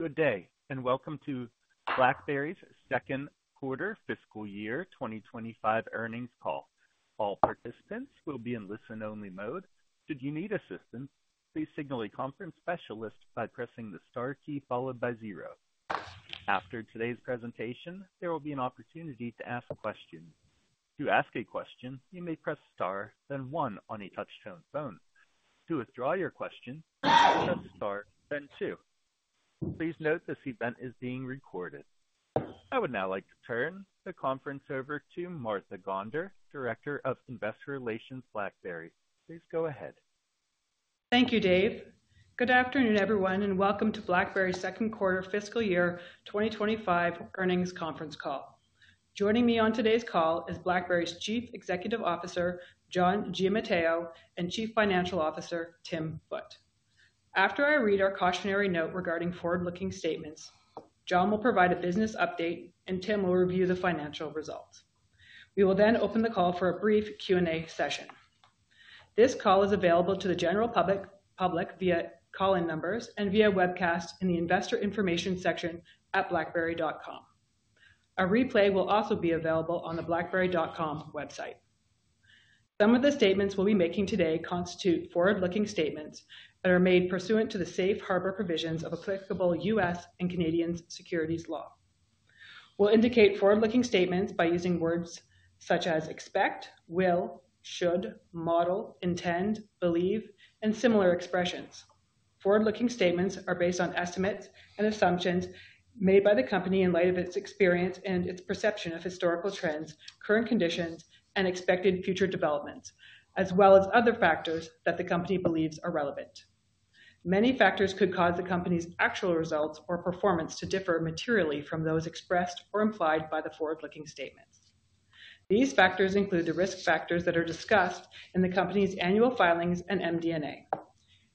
Good day, and welcome to BlackBerry's second quarter fiscal year 2025 earnings call. All participants will be in listen-only mode. Should you need assistance, please signal a conference specialist by pressing the star key followed by zero. After today's presentation, there will be an opportunity to ask a question. To ask a question, you may press star, then one on a touchtone phone. To withdraw your question, press star, then two. Please note, this event is being recorded. I would now like to turn the conference over to Martha Gonder, Director of Investor Relations, BlackBerry. Please go ahead. Thank you, Dave. Good afternoon, everyone, and welcome to BlackBerry's second quarter fiscal year 2025 earnings conference call. Joining me on today's call is BlackBerry's Chief Executive Officer, John Giamatteo, and Chief Financial Officer, Tim Foote. After I read our cautionary note regarding forward-looking statements, John will provide a business update, and Tim will review the financial results. We will then open the call for a brief Q&A session. This call is available to the general public via call-in numbers and via webcast in the Investor Information section at blackberry.com. A replay will also be available on the blackberry.com website. Some of the statements we'll be making today constitute forward-looking statements that are made pursuant to the safe harbor provisions of applicable U.S. and Canadian securities law. We'll indicate forward-looking statements by using words such as expect, will, should, model, intend, believe, and similar expressions. Forward-looking statements are based on estimates and assumptions made by the company in light of its experience and its perception of historical trends, current conditions, and expected future developments, as well as other factors that the company believes are relevant. Many factors could cause the company's actual results or performance to differ materially from those expressed or implied by the forward-looking statements. These factors include the risk factors that are discussed in the company's annual filings and MD&A.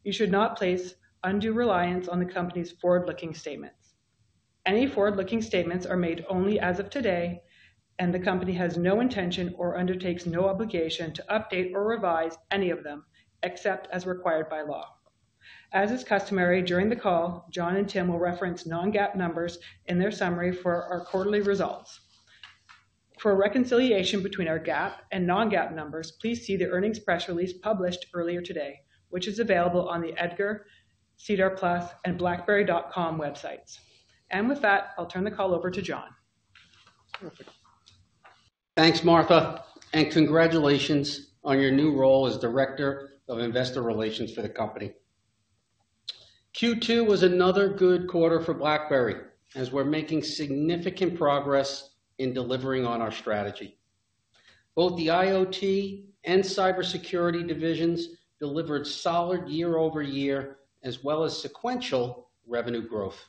You should not place undue reliance on the company's forward-looking statements. Any forward-looking statements are made only as of today, and the company has no intention or undertakes no obligation to update or revise any of them, except as required by law. As is customary during the call, John and Tim will reference non-GAAP numbers in their summary for our quarterly results. For a reconciliation between our GAAP and non-GAAP numbers, please see the earnings press release published earlier today, which is available on the EDGAR, SEDAR+, and blackberry.com websites, and with that, I'll turn the call over to John. Thanks, Martha, and congratulations on your new role as Director of Investor Relations for the company. Q2 was another good quarter for BlackBerry, as we're making significant progress in delivering on our strategy. Both the IoT and cybersecurity divisions delivered solid year-over-year, as well as sequential revenue growth.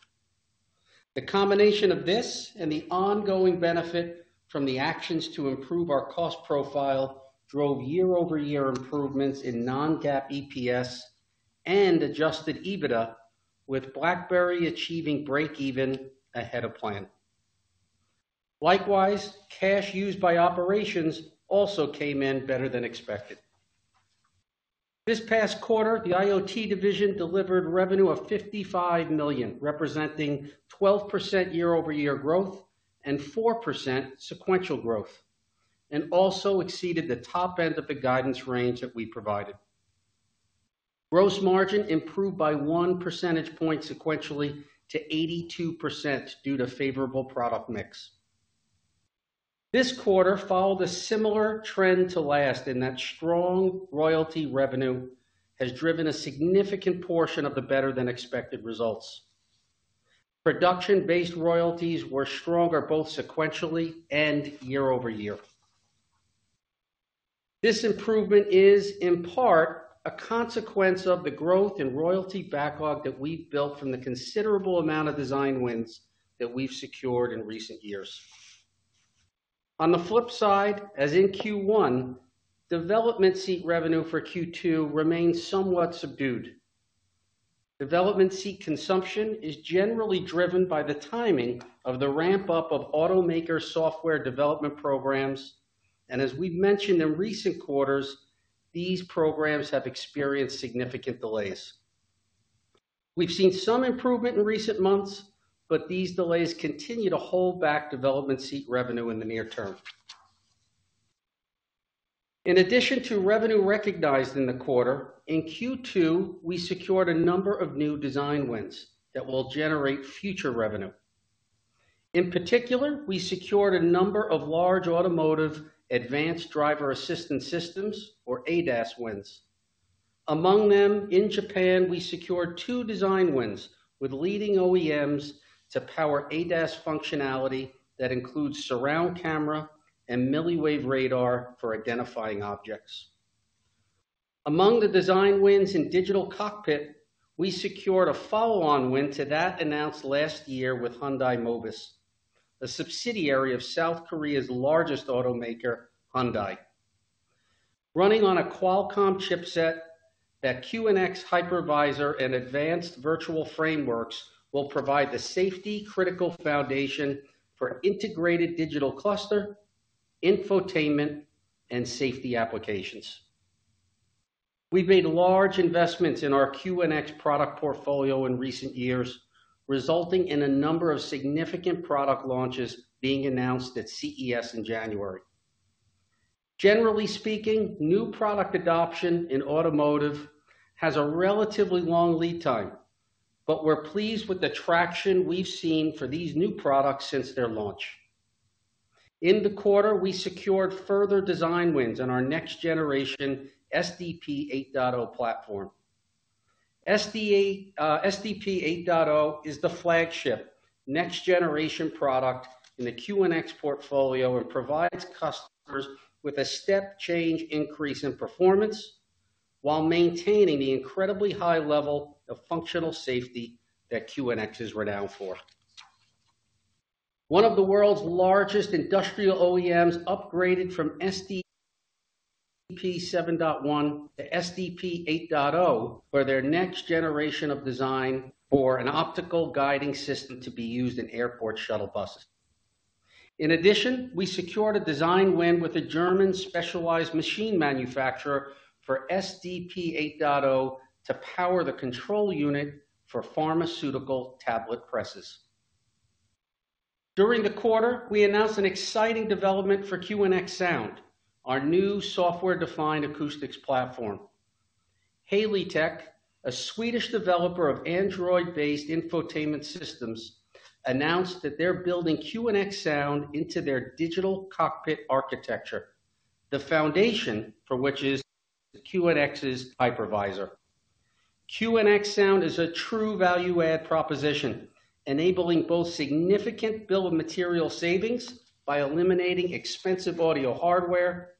The combination of this and the ongoing benefit from the actions to improve our cost profile drove year-over-year improvements in non-GAAP EPS and adjusted EBITDA, with BlackBerry achieving breakeven ahead of plan. Likewise, cash used by operations also came in better than expected. This past quarter, the IoT division delivered revenue of $55 million, representing 12% year-over-year growth and 4% sequential growth, and also exceeded the top end of the guidance range that we provided. Gross margin improved by one percentage point sequentially to 82% due to favorable product mix. This quarter followed a similar trend to last in that strong royalty revenue has driven a significant portion of the better-than-expected results. Production-based royalties were stronger, both sequentially and year over year. This improvement is, in part, a consequence of the growth in royalty backlog that we've built from the considerable amount of design wins that we've secured in recent years. On the flip side, as in Q1, development seat revenue for Q2 remains somewhat subdued. Development seat consumption is generally driven by the timing of the ramp-up of automaker software development programs, and as we've mentioned in recent quarters, these programs have experienced significant delays. We've seen some improvement in recent months, but these delays continue to hold back development seat revenue in the near term. In addition to revenue recognized in the quarter, in Q2, we secured a number of new design wins that will generate future revenue. In particular, we secured a number of large automotive Advanced Driver Assistance Systems, or ADAS wins. Among them, in Japan, we secured two design wins with leading OEMs to power ADAS functionality that includes surround camera and millimeter-wave radar for identifying objects. Among the design wins in Digital Cockpit, we secured a follow-on win to that announced last year with Hyundai Mobis, a subsidiary of South Korea's largest automaker, Hyundai. Running on a Qualcomm chipset, that QNX Hypervisor and advanced virtual frameworks will provide the safety-critical foundation for integrated digital cluster, infotainment, and safety applications. We've made large investments in our QNX product portfolio in recent years, resulting in a number of significant product launches being announced at CES in January. Generally speaking, new product adoption in automotive has a relatively long lead time, but we're pleased with the traction we've seen for these new products since their launch. In the quarter, we secured further design wins on our next generation SDP 8.0 platform. SDP 8.0 is the flagship next generation product in the QNX portfolio and provides customers with a step change increase in performance, while maintaining the incredibly high level of functional safety that QNX is renowned for. One of the world's largest industrial OEMs upgraded from SDP 7.1 to SDP 8.0 for their next generation of design for an optical guiding system to be used in airport shuttle buses. In addition, we secured a design win with a German specialized machine manufacturer for SDP 8.0 to power the control unit for pharmaceutical tablet presses. During the quarter, we announced an exciting development for QNX Sound, our new software-defined acoustics platform. HaleyTek, a Swedish developer of Android-based infotainment systems, announced that they're building QNX Sound into their digital cockpit architecture, the foundation for which is the QNX Hypervisor. QNX Sound is a true value-add proposition, enabling both significant bill of material savings by eliminating expensive audio hardware,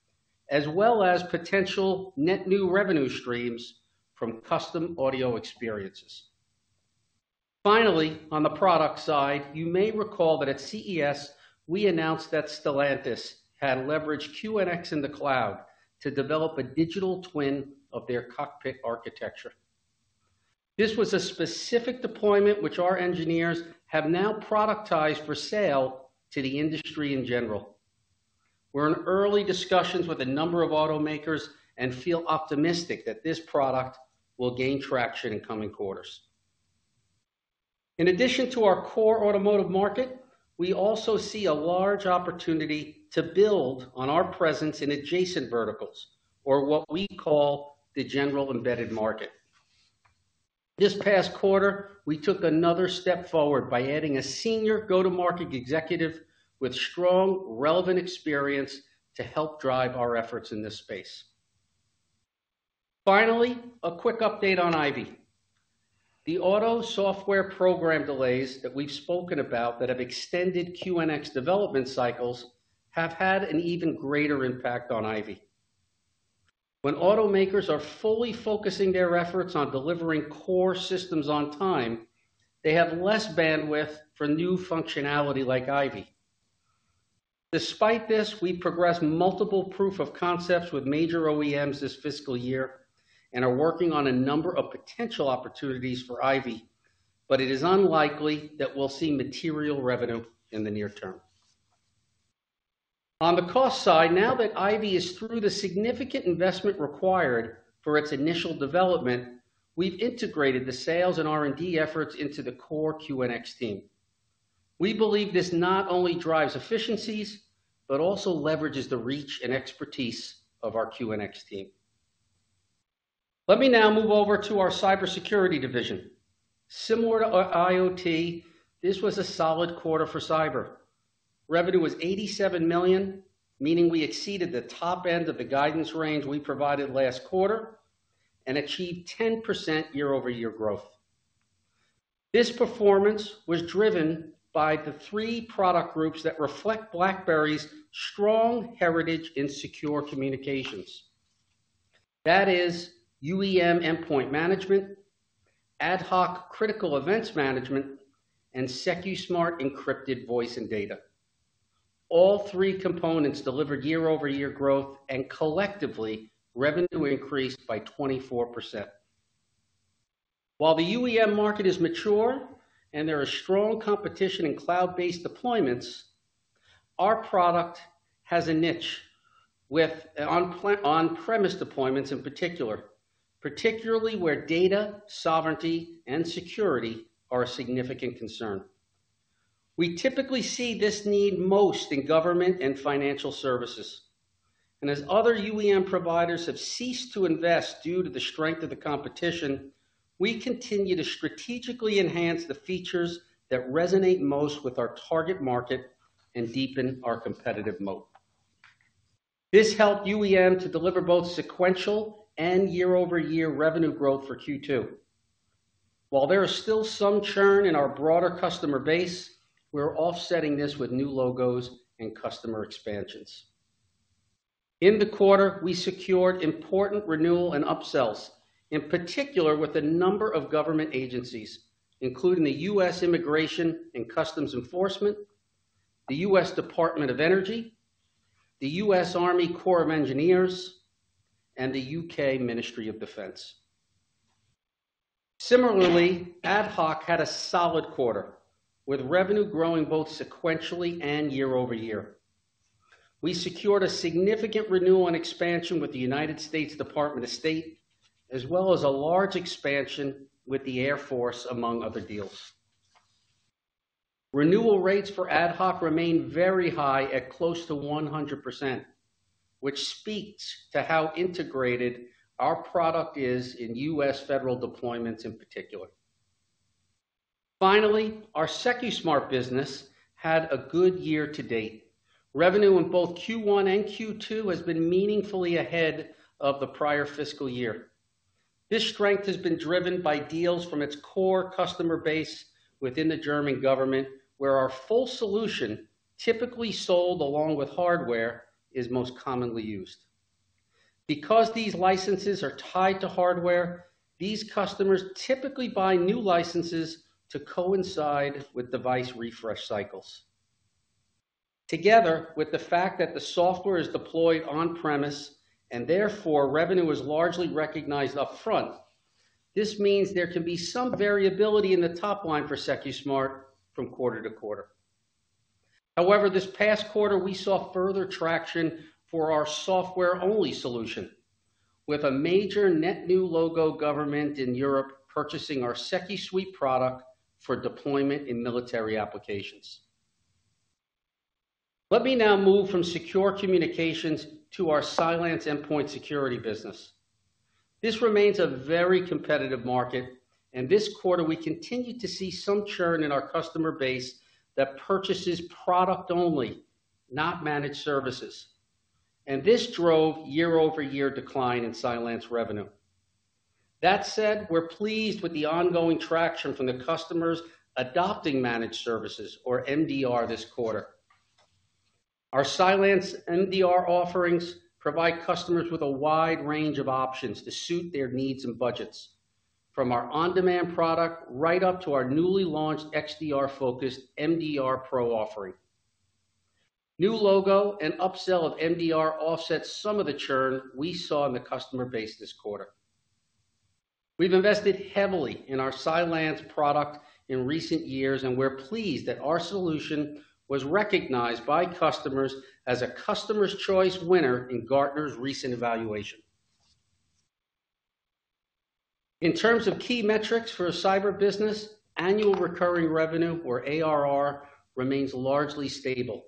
as well as potential net new revenue streams from custom audio experiences. Finally, on the product side, you may recall that at CES, we announced that Stellantis had leveraged QNX in the cloud to develop a digital twin of their cockpit architecture. This was a specific deployment which our engineers have now productized for sale to the industry in general. We're in early discussions with a number of automakers and feel optimistic that this product will gain traction in coming quarters. In addition to our core automotive market, we also see a large opportunity to build on our presence in adjacent verticals, or what we call the general embedded market. This past quarter, we took another step forward by adding a senior go-to-market executive with strong relevant experience to help drive our efforts in this space. Finally, a quick update on IVY. The auto software program delays that we've spoken about that have extended QNX development cycles have had an even greater impact on IVY. When automakers are fully focusing their efforts on delivering core systems on time, they have less bandwidth for new functionality like IVY. Despite this, we've progressed multiple proof of concepts with major OEMs this fiscal year and are working on a number of potential opportunities for IVY, but it is unlikely that we'll see material revenue in the near term. On the cost side, now that IVY is through the significant investment required for its initial development, we've integrated the sales and R&D efforts into the core QNX team. We believe this not only drives efficiencies, but also leverages the reach and expertise of our QNX team. Let me now move over to our cybersecurity division. Similar to our IoT, this was a solid quarter for cyber. Revenue was $87 million, meaning we exceeded the top end of the guidance range we provided last quarter and achieved 10% year-over-year growth. This performance was driven by the three product groups that reflect BlackBerry's strong heritage in secure communications. That is UEM endpoint management, AtHoc critical events management, and Secusmart encrypted voice and data. All three components delivered year-over-year growth, and collectively, revenue increased by 24%. While the UEM market is mature and there are strong competition in cloud-based deployments, our product has a niche with on-premise deployments in particular, particularly where data sovereignty and security are a significant concern. We typically see this need most in government and financial services, and as other UEM providers have ceased to invest due to the strength of the competition, we continue to strategically enhance the features that resonate most with our target market and deepen our competitive moat. This helped UEM to deliver both sequential and year-over-year revenue growth for Q2. While there is still some churn in our broader customer base, we're offsetting this with new logos and customer expansions. In the quarter, we secured important renewal and upsells, in particular with a number of government agencies, including the U.S. Immigration and Customs Enforcement, the U.S. Department of Energy, the U.S. Army Corps of Engineers, and the U.K. Ministry of Defence. Similarly, AtHoc had a solid quarter, with revenue growing both sequentially and year over year. We secured a significant renewal and expansion with the United States Department of State, as well as a large expansion with the Air Force, among other deals. Renewal rates for AtHoc remain very high at close to 100%, which speaks to how integrated our product is in U.S. federal deployments in particular. Finally, our Secusmart business had a good year to date. Revenue in both Q1 and Q2 has been meaningfully ahead of the prior fiscal year. This strength has been driven by deals from its core customer base within the German government, where our full solution, typically sold along with hardware, is most commonly used. Because these licenses are tied to hardware, these customers typically buy new licenses to coincide with device refresh cycles. Together with the fact that the software is deployed on-premise and therefore revenue is largely recognized upfront, this means there can be some variability in the top line for Secusmart from quarter to quarter. However, this past quarter, we saw further traction for our software-only solution, with a major net new logo government in Europe purchasing our SecuSUITE product for deployment in military applications. Let me now move from secure communications to our Cylance endpoint security business. This remains a very competitive market, and this quarter we continued to see some churn in our customer base that purchases product only, not managed services, and this drove year-over-year decline in Cylance revenue. That said, we're pleased with the ongoing traction from the customers adopting managed services or MDR this quarter. Our CylanceMDR offerings provide customers with a wide range of options to suit their needs and budgets, from our on-demand product, right up to our newly launched XDR-focused MDR Pro offering. New logo and upsell of MDR offset some of the churn we saw in the customer base this quarter. We've invested heavily in our Cylance product in recent years, and we're pleased that our solution was recognized by customers as a Customer's Choice winner in Gartner's recent evaluation. In terms of key metrics for our cyber business, annual recurring revenue, or ARR, remains largely stable,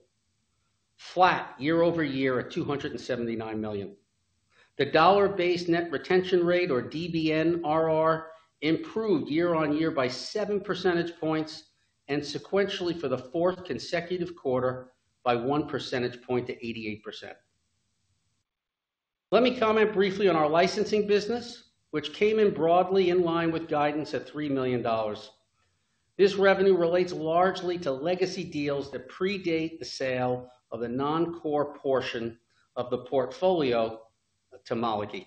flat year over year at $279 million. The dollar-based net retention rate, or DBNRR, improved year on year by seven percentage points, and sequentially for the fourth consecutive quarter by one percentage point to 88%. Let me comment briefly on our licensing business, which came in broadly in line with guidance at $3 million. This revenue relates largely to legacy deals that predate the sale of the non-core portion of the portfolio to Malikie.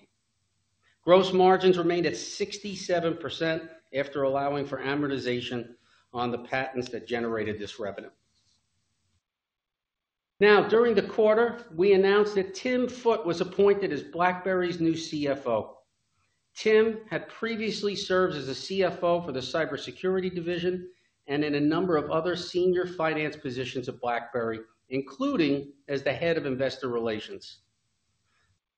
Gross margins remained at 67% after allowing for amortization on the patents that generated this revenue. Now, during the quarter, we announced that Tim Foote was appointed as BlackBerry's new CFO. Tim had previously served as a CFO for the cybersecurity division and in a number of other senior finance positions at BlackBerry, including as the head of investor relations.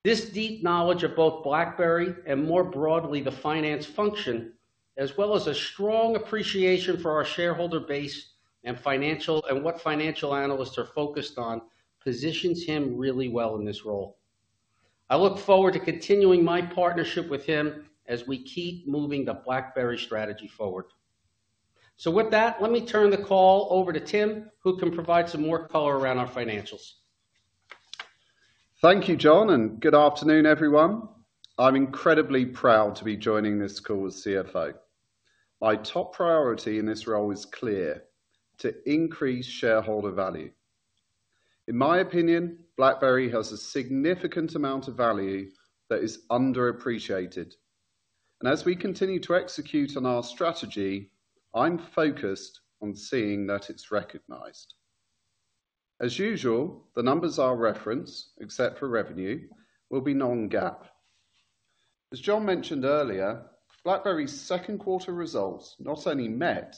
This deep knowledge of both BlackBerry and more broadly, the finance function, as well as a strong appreciation for our shareholder base and financials and what financial analysts are focused on, positions him really well in this role. I look forward to continuing my partnership with him as we keep moving the BlackBerry strategy forward. So with that, let me turn the call over to Tim, who can provide some more color around our financials. Thank you, John, and good afternoon, everyone. I'm incredibly proud to be joining this call as CFO. My top priority in this role is clear: to increase shareholder value. In my opinion, BlackBerry has a significant amount of value that is underappreciated, and as we continue to execute on our strategy, I'm focused on seeing that it's recognized. As usual, the numbers I'll reference, except for revenue, will be non-GAAP. As John mentioned earlier, BlackBerry's second quarter results not only met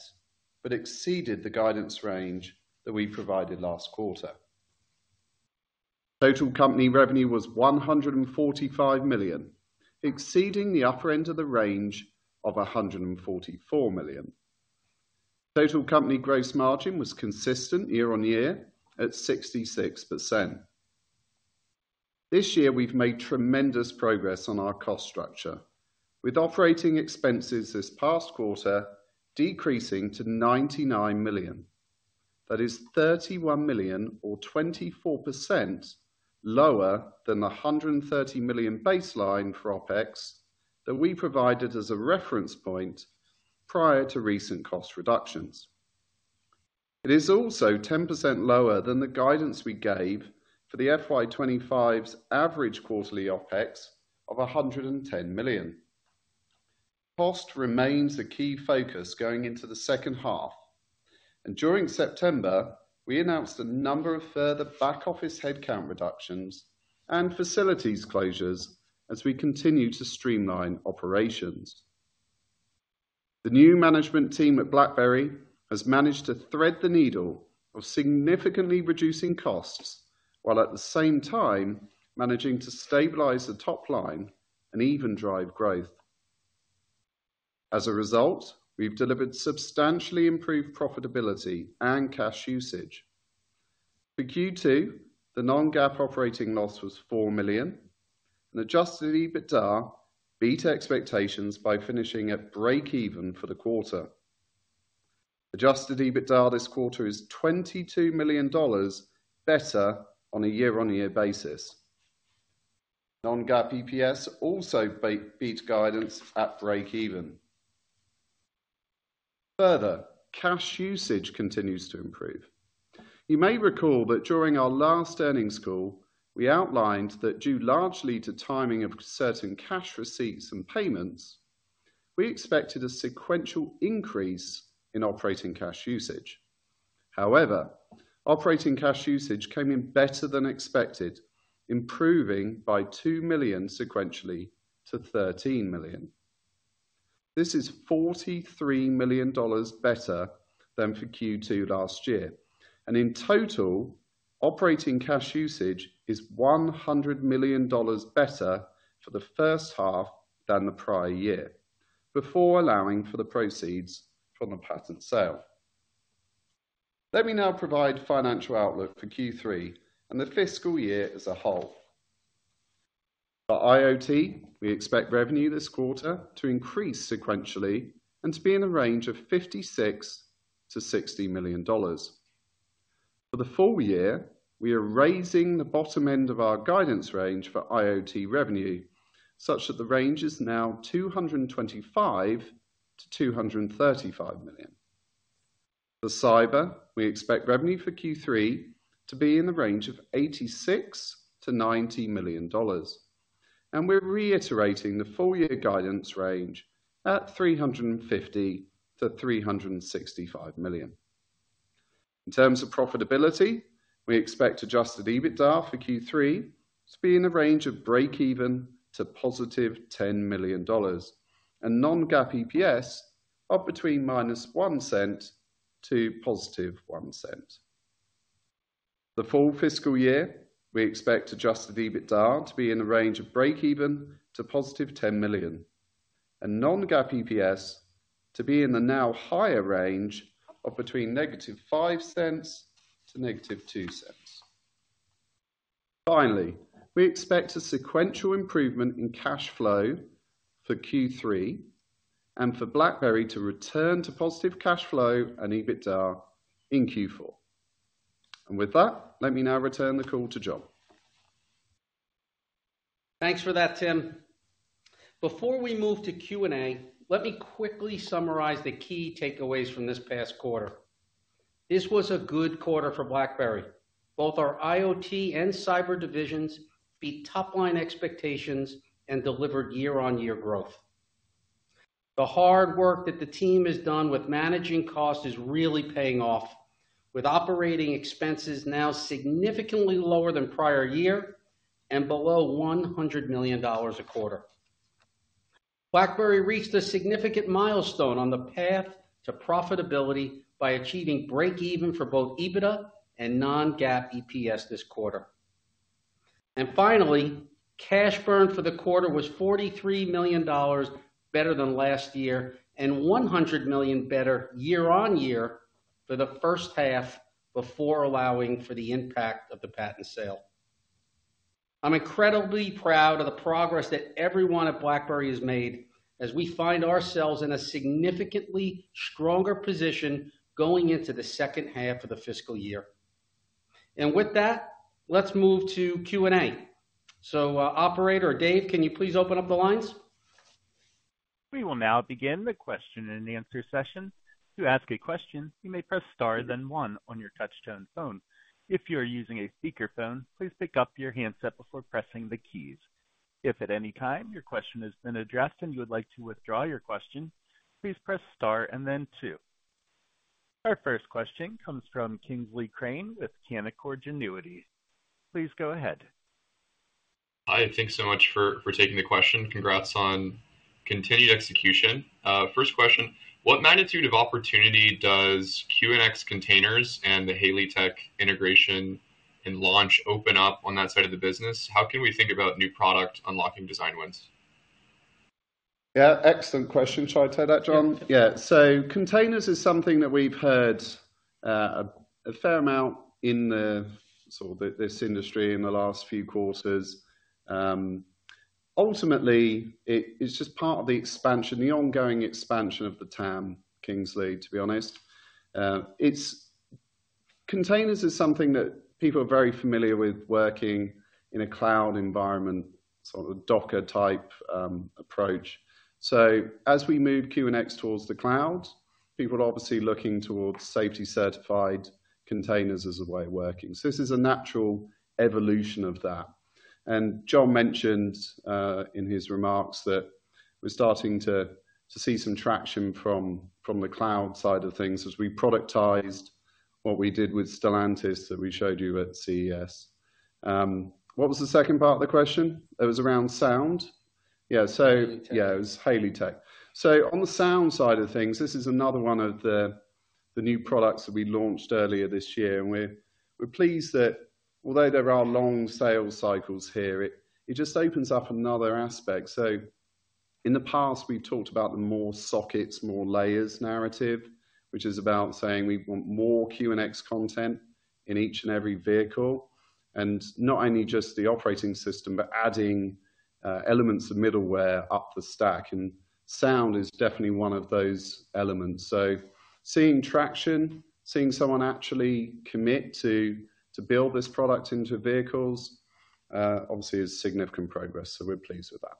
but exceeded the guidance range that we provided last quarter. Total company revenue was $145 million, exceeding the upper end of the range of $144 million. Total company gross margin was consistent year on year at 66%. This year, we've made tremendous progress on our cost structure, with operating expenses this past quarter decreasing to $99 million. That is $31 million or 24% lower than the $130 million baseline for OpEx that we provided as a reference point prior to recent cost reductions. It is also 10% lower than the guidance we gave for the FY 2025's average quarterly OpEx of $110 million. Cost remains a key focus going into the second half, and during September, we announced a number of further back office headcount reductions and facilities closures as we continue to streamline operations. The new management team at BlackBerry has managed to thread the needle of significantly reducing costs, while at the same time managing to stabilize the top line and even drive growth. As a result, we've delivered substantially improved profitability and cash usage. For Q2, the non-GAAP operating loss was $4 million, and adjusted EBITDA beat expectations by finishing at breakeven for the quarter. Adjusted EBITDA this quarter is $22 million better on a year-on-year basis. Non-GAAP EPS also beat guidance at breakeven. Further, cash usage continues to improve. You may recall that during our last earnings call, we outlined that due largely to timing of certain cash receipts and payments, we expected a sequential increase in operating cash usage. However, operating cash usage came in better than expected, improving by $2 million sequentially to $13 million. This is $43 million better than for Q2 last year, and in total, operating cash usage is $100 million better for the first half than the prior year, before allowing for the proceeds from the patent sale. Let me now provide financial outlook for Q3 and the fiscal year as a whole. For IoT, we expect revenue this quarter to increase sequentially and to be in a range of $56-$60 million. For the full year, we are raising the bottom end of our guidance range for IoT revenue, such that the range is now $225 million-$235 million. For cyber, we expect revenue for Q3 to be in the range of $86-$90 million, and we're reiterating the full year guidance range at $350-$365 million. In terms of profitability, we expect adjusted EBITDA for Q3 to be in the range of breakeven to +$10 million and non-GAAP EPS of between -$0.01 to +$0.01. The full fiscal year, we expect Adjusted EBITDA to be in the range of breakeven to +$10 million and non-GAAP EPS to be in the now higher range of between -$0.05 to -$0.02. Finally, we expect a sequential improvement in cash flow for Q3 and for BlackBerry to return to positive cash flow and EBITDA in Q4. And with that, let me now return the call to John. Thanks for that, Tim. Before we move to Q&A, let me quickly summarize the key takeaways from this past quarter. This was a good quarter for BlackBerry. Both our IoT and cyber divisions beat top-line expectations and delivered year-on-year growth. The hard work that the team has done with managing costs is really paying off, with operating expenses now significantly lower than prior year and below $100 million a quarter. BlackBerry reached a significant milestone on the path to profitability by achieving breakeven for both EBITDA and non-GAAP EPS this quarter. And finally, cash burn for the quarter was $43 million better than last year and $100 million better year-on-year for the first half, before allowing for the impact of the patent sale. I'm incredibly proud of the progress that everyone at BlackBerry has made as we find ourselves in a significantly stronger position going into the second half of the fiscal year. And with that, let's move to Q&A. So, operator Dave, can you please open up the lines? We will now begin the question and answer session. To ask a question, you may press star, then one on your touchtone phone. If you are using a speakerphone, please pick up your handset before pressing the keys. If at any time your question has been addressed and you would like to withdraw your question, please press star and then two. Our first question comes from Kingsley Crane with Canaccord Genuity. Please go ahead. Hi, thanks so much for taking the question. Congrats on continued execution. First question, what magnitude of opportunity does QNX Containers and the HaleyTek integration and launch open up on that side of the business? How can we think about new product unlocking design wins? Yeah, excellent question. Should I take that, John? Yeah. So containers is something that we've heard a fair amount in the sort of this industry in the last few quarters. Ultimately, it is just part of the expansion, the ongoing expansion of the TAM, Kingsley, to be honest. It's... Containers is something that people are very familiar with working in a cloud environment, sort of Docker type approach. So as we move QNX towards the cloud, people are obviously looking towards safety-certified containers as a way of working. So this is a natural evolution of that. John mentioned in his remarks that we're starting to see some traction from the cloud side of things as we productized what we did with Stellantis that we showed you at CES. What was the second part of the question? It was around Sound? Yeah, so- HaleyTek. Yeah, it was HaleyTek, so on the Sound side of things, this is another one of the new products that we launched earlier this year, and we're pleased that although there are long sales cycles here, it just opens up another aspect, so in the past, we've talked about the more sockets, more layers narrative, which is about saying we want more QNX content in each and every vehicle, and not only just the operating system, but adding elements of middleware up the stack, and sound is definitely one of those elements, so seeing traction, seeing someone actually commit to build this product into vehicles obviously is significant progress, so we're pleased with that.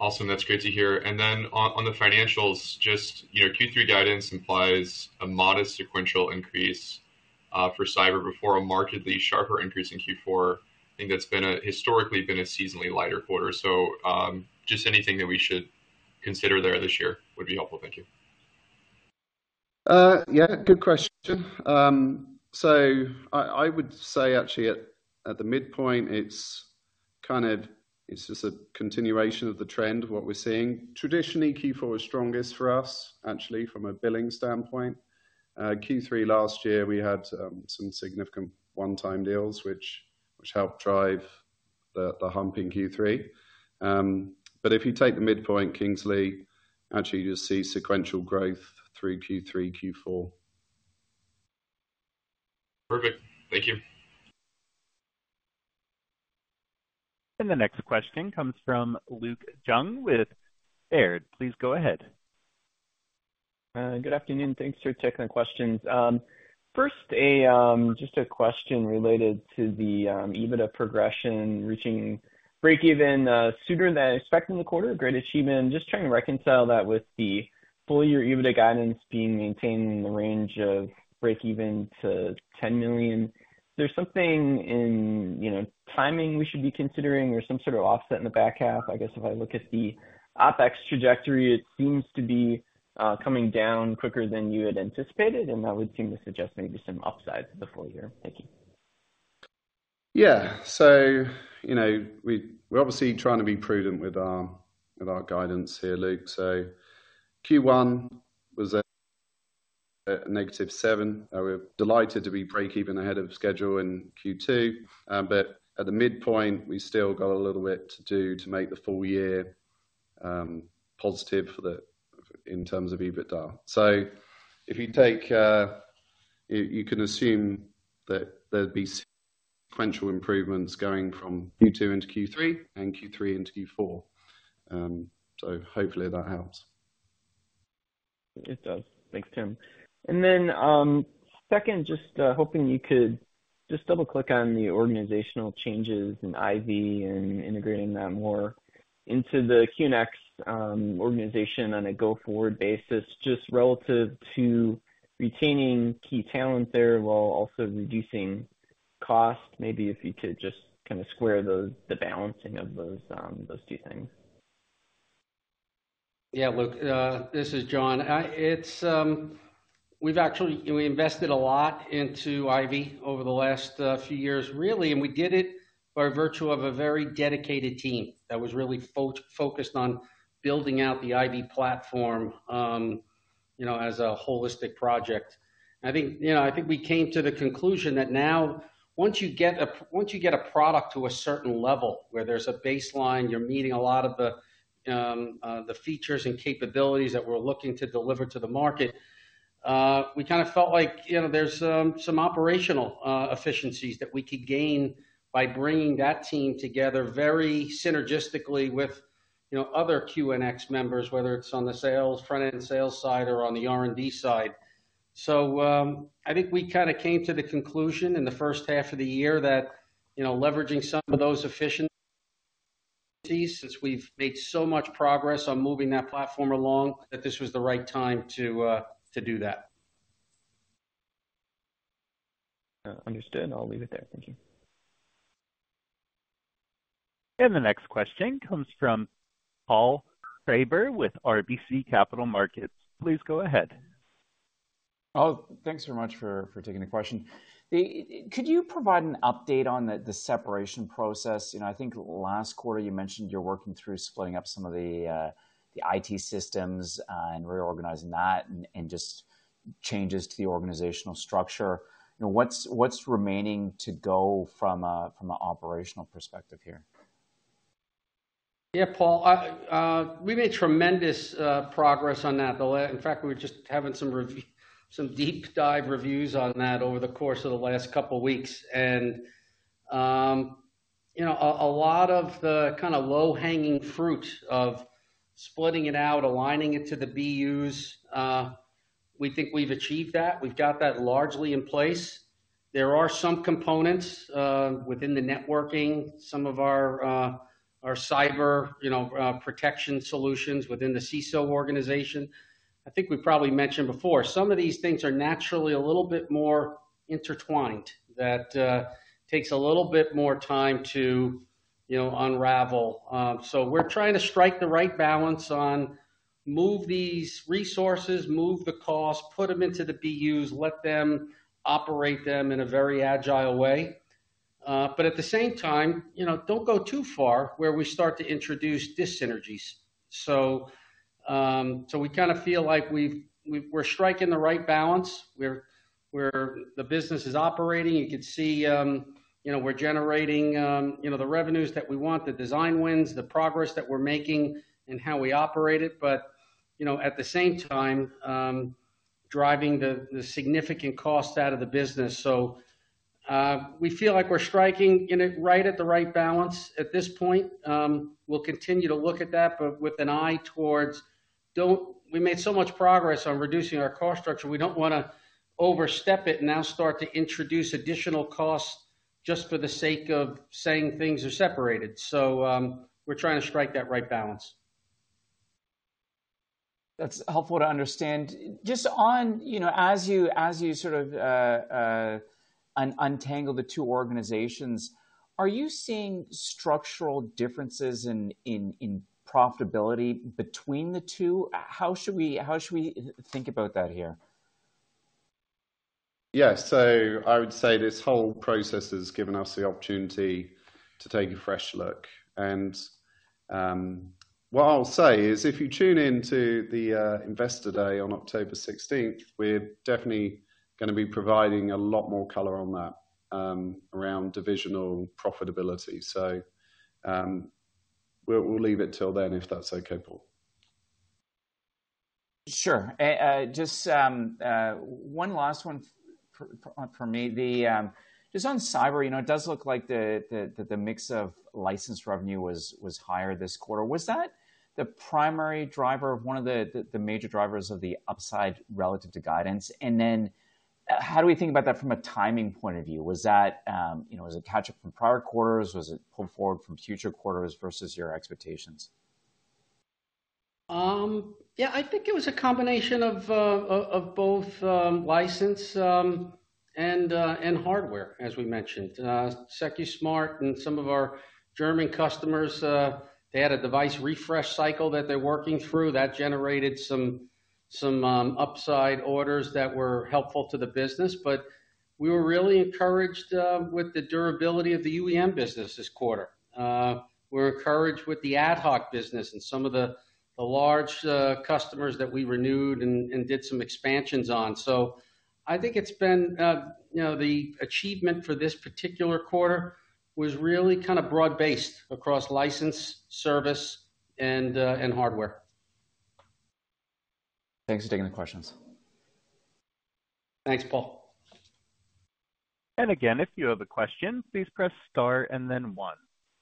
Awesome. That's great to hear. And then on the financials, just, you know, Q3 guidance implies a modest sequential increase for cyber before a markedly sharper increase in Q4. I think that's been historically a seasonally lighter quarter, so just anything that we should consider there this year would be helpful. Thank you. Yeah, good question. So I would say actually at the midpoint, it's kind of just a continuation of the trend of what we're seeing. Traditionally, Q4 is strongest for us, actually, from a billing standpoint. Q3 last year, we had some significant one-time deals, which helped drive the hump in Q3. But if you take the midpoint, Kingsley, actually you just see sequential growth through Q3, Q4. Perfect. Thank you. The next question comes from Luke Junk with Baird. Please go ahead. Good afternoon. Thanks for taking the questions. First, just a question related to the EBITDA progression, reaching break even sooner than expected in the quarter. Great achievement. Just trying to reconcile that with the full year EBITDA guidance being maintained in the range of break even to $10 million. There's something in, you know, timing we should be considering or some sort of offset in the back half. I guess if I look at the OpEx trajectory, it seems to be coming down quicker than you had anticipated, and that would seem to suggest maybe some upsides to the full year. Thank you. Yeah. So, you know, we're obviously trying to be prudent with our guidance here, Luke. So Q1 was a negative seven. We're delighted to be breakeven ahead of schedule in Q2. But at the midpoint, we've still got a little bit to do to make the full year positive for the in terms of EBITDA. So if you take. You can assume that there'd be sequential improvements going from Q2 into Q3 and Q3 into Q4. So hopefully that helps. It does. Thanks, Tim. And then, second, just hoping you could just double-click on the organizational changes in IVY and integrating that more into the QNX organization on a go-forward basis, just relative to retaining key talent there, while also reducing cost. Maybe if you could just kinda square the balancing of those two things. Yeah, Luke, this is John. It's, we've actually, we invested a lot into IVY over the last, few years, really, and we did it by virtue of a very dedicated team that was really focused on building out the IVY platform, you know, as a holistic project. I think, you know, I think we came to the conclusion that now once you get a, once you get a product to a certain level where there's a baseline, you're meeting a lot of the, the features and capabilities that we're looking to deliver to the market, we kinda felt like, you know, there's, some operational, efficiencies that we could gain by bringing that team together very synergistically with, you know, other QNX members, whether it's on the sales, front-end sales side or on the R&D side. So, I think we kinda came to the conclusion in the first half of the year that, you know, leveraging some of those efficiencies, since we've made so much progress on moving that platform along, that this was the right time to do that. Understood. I'll leave it there. Thank you. The next question comes from Paul Treiber with RBC Capital Markets. Please go ahead. Oh, thanks so much for taking the question. Could you provide an update on the separation process? You know, I think last quarter you mentioned you're working through splitting up some of the IT systems and reorganizing that and just changes to the organizational structure. You know, what's remaining to go from a operational perspective here? Yeah, Paul, we made tremendous progress on that. In fact, we were just having some deep dive reviews on that over the course of the last couple weeks. You know, a lot of the kinda low-hanging fruit of splitting it out, aligning it to the BUs, we think we've achieved that. We've got that largely in place. There are some components within the networking, some of our cyber protection solutions within the CISO organization. I think we've probably mentioned before, some of these things are naturally a little bit more intertwined, that takes a little bit more time to, you know, unravel. We're trying to strike the right balance on moving these resources, moving the cost, put them into the BUs, let them operate them in a very agile way. But at the same time, you know, don't go too far where we start to introduce dyssynergies. So we kinda feel like we're striking the right balance, where the business is operating. You can see, you know, we're generating the revenues that we want, the design wins, the progress that we're making and how we operate it. But, you know, at the same time, driving the significant costs out of the business. So we feel like we're striking it right at the right balance at this point. We'll continue to look at that, but with an eye towards. We made so much progress on reducing our cost structure. We don't wanna overstep it and now start to introduce additional costs just for the sake of saying things are separated. So, we're trying to strike that right balance. That's helpful to understand. Just on, you know, as you sort of untangle the two organizations, are you seeing structural differences in profitability between the two? How should we think about that here? Yeah. So I would say this whole process has given us the opportunity to take a fresh look. And, what I'll say is, if you tune in to the Investor Day on October 16th, we're definitely gonna be providing a lot more color on that, around divisional profitability. So, we'll leave it till then, if that's okay, Paul. Sure. Just one last one for me. Just on cyber, you know, it does look like the mix of licensed revenue was higher this quarter. Was that the primary driver of one of the major drivers of the upside relative to guidance? And then, how do we think about that from a timing point of view? Was it catch-up from prior quarters? Was it pulled forward from future quarters versus your expectations? Yeah, I think it was a combination of both license and hardware, as we mentioned. Secusmart and some of our German customers, they had a device refresh cycle that they're working through, that generated some upside orders that were helpful to the business. But we were really encouraged with the durability of the UEM business this quarter. We're encouraged with the AtHoc business and some of the large customers that we renewed and did some expansions on. So I think it's been, you know, the achievement for this particular quarter was really kind of broad-based across license, service, and hardware. Thanks for taking the questions. Thanks, Paul. Again, if you have a question, please press Star and then One.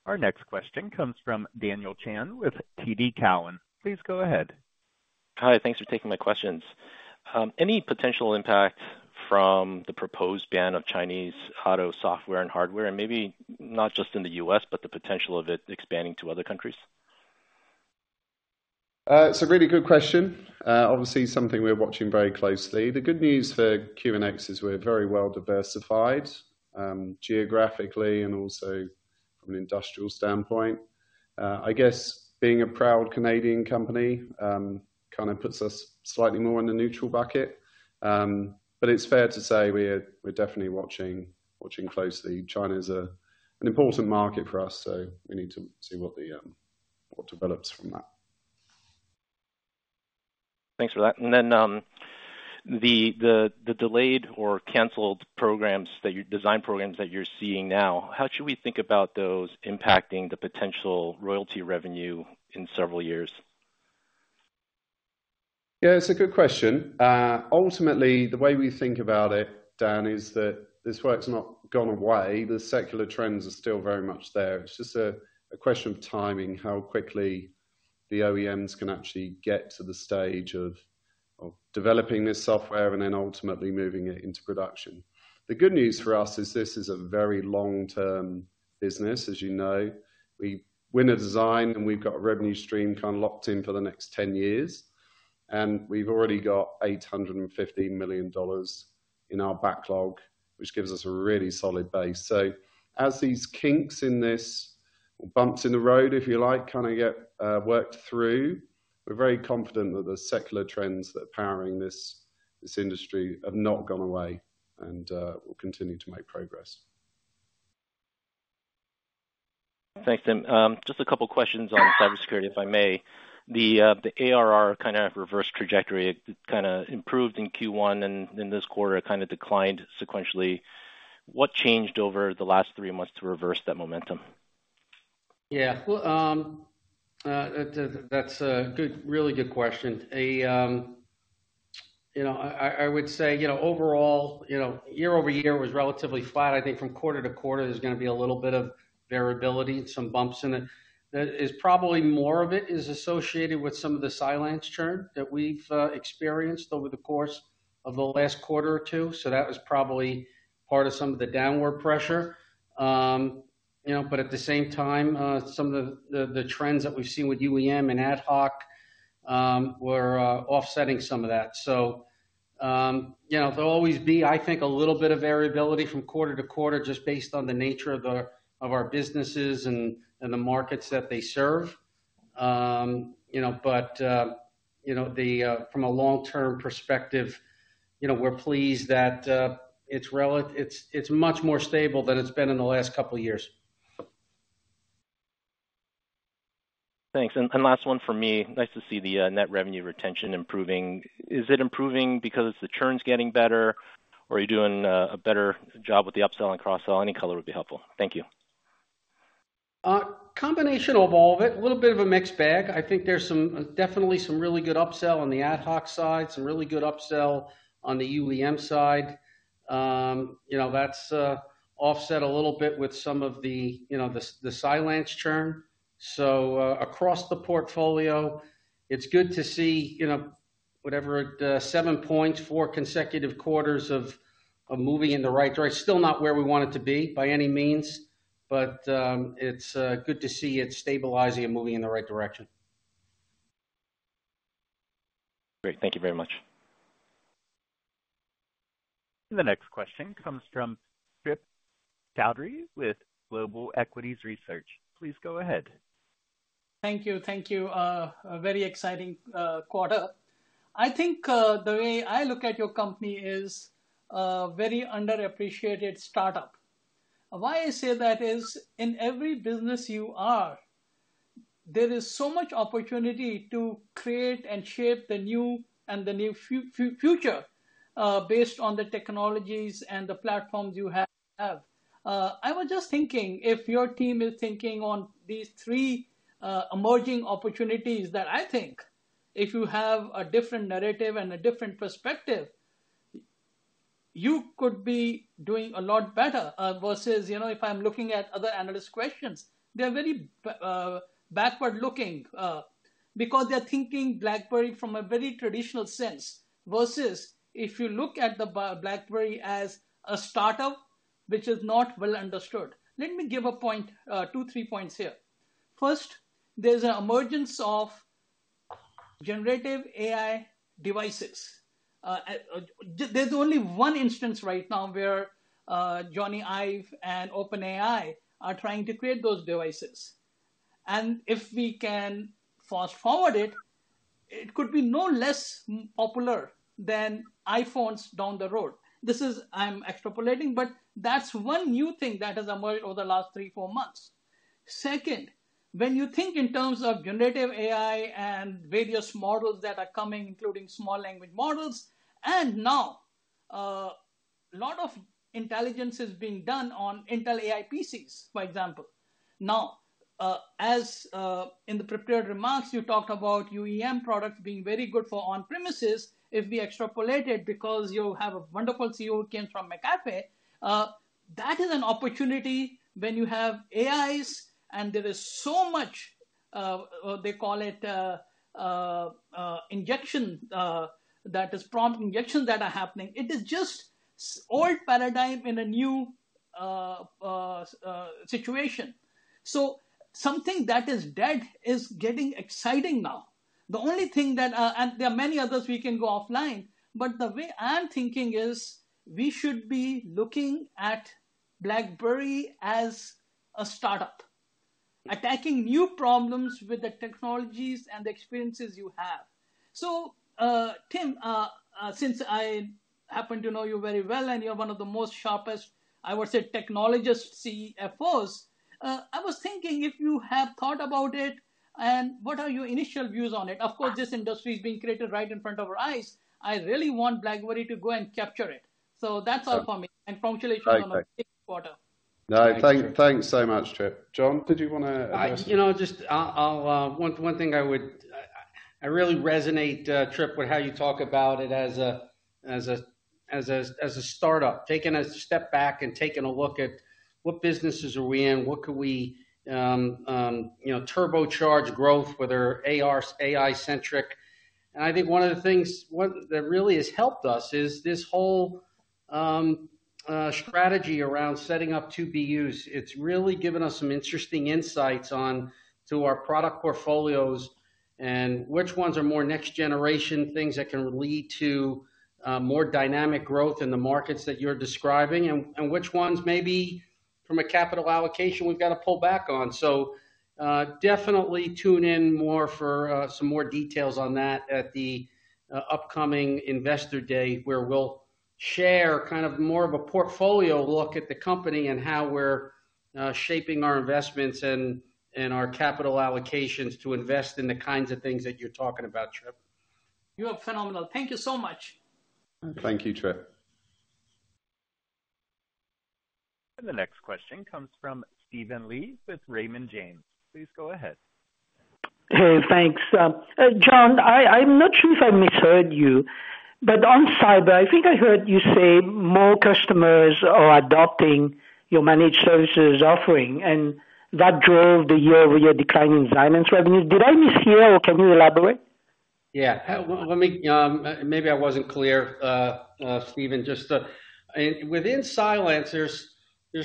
Our next question comes from Daniel Chan with TD Cowen. Please go ahead. Hi, thanks for taking my questions. Any potential impact from the proposed ban of Chinese auto software and hardware, and maybe not just in the U.S., but the potential of it expanding to other countries? It's a really good question. Obviously, something we're watching very closely. The good news for QNX is we're very well diversified, geographically and also from an industrial standpoint. I guess being a proud Canadian company, kinda puts us slightly more in the neutral bucket, but it's fair to say we're definitely watching closely. China is an important market for us, so we need to see what develops from that. Thanks for that. And then, the delayed or canceled design programs that you're seeing now, how should we think about those impacting the potential royalty revenue in several years? Yeah, it's a good question. Ultimately, the way we think about it, Dan, is that this work's not gone away. The secular trends are still very much there. It's just a question of timing, how quickly the OEMs can actually get to the stage of developing this software and then ultimately moving it into production. The good news for us is this is a very long-term business, as you know. We win a design, and we've got a revenue stream kind of locked in for the next ten years, and we've already got $815 million in our backlog, which gives us a really solid base. So as these kinks in this, or bumps in the road, if you like, kind of get worked through, we're very confident that the secular trends that are powering this, this industry have not gone away, and we'll continue to make progress. Thanks, Tim. Just a couple of questions on cybersecurity, if I may. The ARR kind of reverse trajectory, it kinda improved in Q1, and then this quarter, it kind of declined sequentially. What changed over the last three months to reverse that momentum? Yeah. Well, that, that's a good, really good question. You know, I would say, you know, overall, you know, year over year was relatively flat. I think from quarter to quarter, there's gonna be a little bit of variability and some bumps in it. That is probably more of it, is associated with some of the Cylance churn that we've experienced over the course of the last quarter or two. So that was probably part of some of the downward pressure. You know, but at the same time, some of the trends that we've seen with UEM and AtHoc were offsetting some of that. So... You know, there'll always be, I think, a little bit of variability from quarter to quarter just based on the nature of our businesses and the markets that they serve. You know, but you know, from a long-term perspective, you know, we're pleased that it's much more stable than it's been in the last couple of years. Thanks. And last one for me. Nice to see the net revenue retention improving. Is it improving because the churn's getting better, or are you doing a better job with the upsell and cross-sell? Any color would be helpful. Thank you. Combination of all of it. A little bit of a mixed bag. I think there's some definitely some really good upsell on the AtHoc side, some really good upsell on the UEM side. You know, that's offset a little bit with some of the, you know, the Cylance churn. So, across the portfolio, it's good to see, you know, whatever seven points, four consecutive quarters of moving in the right direction. Still not where we want it to be, by any means, but it's good to see it stabilizing and moving in the right direction. Great. Thank you very much. The next question comes from Trip Chowdhry with Global Equities Research. Please go ahead. Thank you. Thank you. A very exciting quarter. I think the way I look at your company is a very underappreciated startup. Why I say that is, in every business you are, there is so much opportunity to create and shape the new and the new future based on the technologies and the platforms you have. I was just thinking, if your team is thinking on these three emerging opportunities that I think if you have a different narrative and a different perspective, you could be doing a lot better versus, you know, if I'm looking at other analyst questions, they're very backward-looking because they're thinking BlackBerry from a very traditional sense, versus if you look at the BlackBerry as a startup, which is not well understood. Let me give a point, two, three points here. First, there's an emergence of generative AI devices. There's only one instance right now where Jony Ive and OpenAI are trying to create those devices. And if we can fast-forward it, it could be no less popular than iPhones down the road. This is... I'm extrapolating, but that's one new thing that has emerged over the last three, four months. Second, when you think in terms of generative AI and various models that are coming, including small language models, and now a lot of intelligence is being done on Intel AI PCs, for example. Now, in the prepared remarks, you talked about UEM products being very good for on-premises if we extrapolate it, because you have a wonderful CEO who came from McAfee. That is an opportunity when you have AIs, and there is so much they call it injection, that is prompt injection that are happening. It is just old paradigm in a new situation. So something that is dead is getting exciting now. The only thing that, and there are many others, we can go offline, but the way I'm thinking is we should be looking at BlackBerry as a startup, attacking new problems with the technologies and the experiences you have. So, Tim, since I happen to know you very well, and you're one of the most sharpest, I would say, technologist CFOs, I was thinking if you have thought about it, and what are your initial views on it? Of course, this industry is being created right in front of our eyes. I really want BlackBerry to go and capture it. So that's all for me, and congratulations- Great. On a great quarter. No, thanks so much, Trip. John, did you wanna address? You know, just one thing I would. I really resonate, Trip, with how you talk about it as a startup, taking a step back and taking a look at what businesses are we in, what could we, you know, turbocharge growth, whether AR, AI-centric. I think one of the things that really has helped us is this whole strategy around setting up two BUs. It's really given us some interesting insights onto our product portfolios and which ones are more next-generation things that can lead to more dynamic growth in the markets that you're describing, and which ones maybe from a capital allocation we've got to pull back on. Definitely tune in more for some more details on that at the upcoming Investor Day, where we'll share kind of more of a portfolio look at the company and how we're shaping our investments and our capital allocations to invest in the kinds of things that you're talking about, Trip. You are phenomenal. Thank you so much. Thank you, Trip. The next question comes from Steven Li with Raymond James. Please go ahead. Hey, thanks. John, I'm not sure if I misheard you, but on cyber, I think I heard you say more customers are adopting your managed services offering, and that drove the year-over-year decline in Cylance revenue. Did I mishear, or can you elaborate? Yeah. Let me maybe I wasn't clear, Steven. Just within Cylance, there's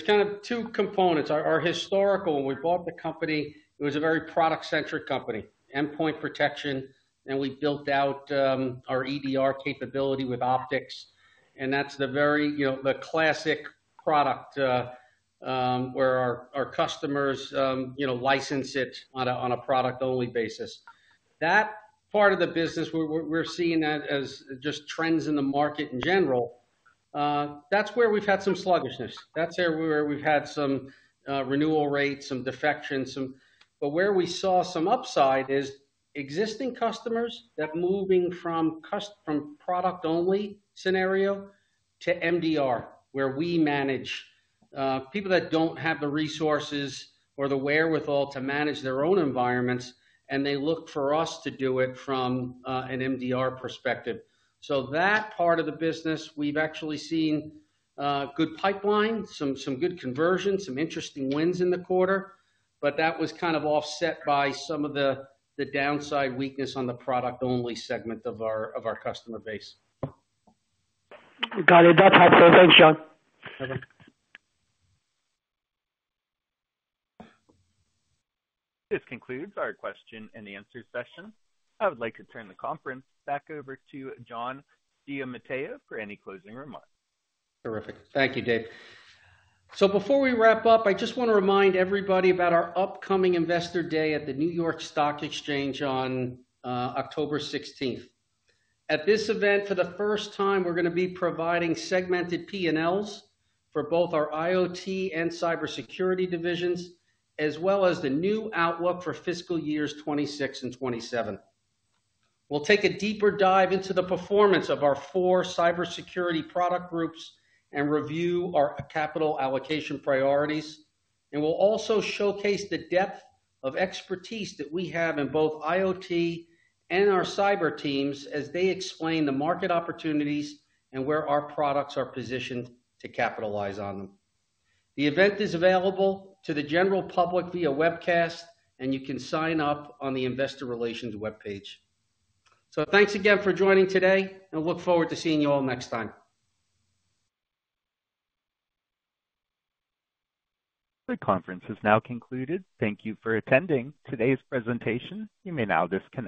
kind of two components. Our historical, when we bought the company, it was a very product-centric company, endpoint protection, and we built out our EDR capability with Optics, and that's the very, you know, the classic product where our customers, you know, license it on a product-only basis. That part of the business, we're seeing that as just trends in the market in general. That's where we've had some sluggishness. That's where we've had some renewal rates, some defections, some... But where we saw some upside is existing customers that moving from from product-only scenario to MDR, where we manage people that don't have the resources or the wherewithal to manage their own environments, and they look for us to do it from an MDR perspective. So that part of the business, we've actually seen good pipeline, some good conversion, some interesting wins in the quarter, but that was kind of offset by some of the downside weakness on the product-only segment of our customer base. Got it. That helps though. Thanks, John. Bye-bye. This concludes our question and answer session. I would like to turn the conference back over to John Giamatteo for any closing remarks. Terrific. Thank you, Dave. So before we wrap up, I just wanna remind everybody about our upcoming Investor Day at the New York Stock Exchange on October 16th. At this event, for the first time, we're gonna be providing segmented P&Ls for both our IoT and cybersecurity divisions, as well as the new outlook for fiscal years 2026 and 2027. We'll take a deeper dive into the performance of our four cybersecurity product groups and review our capital allocation priorities, and we'll also showcase the depth of expertise that we have in both IoT and our cyber teams as they explain the market opportunities and where our products are positioned to capitalize on them. The event is available to the general public via webcast, and you can sign up on the investor relations webpage. So thanks again for joining today, and look forward to seeing you all next time. The conference is now concluded. Thank you for attending today's presentation. You may now disconnect.